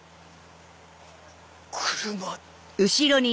車。